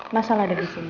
masalah ada di sini